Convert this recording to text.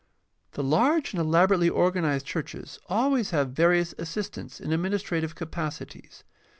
— The large and elaborately organized churches always have various assistants in adminis trative capacities.